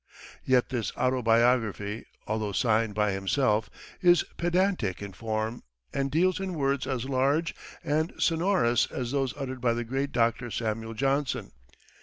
Yet this autobiography, although signed by himself, is pedantic in form, and deals in words as large and sonorous as though uttered by the great Doctor Samuel Johnson.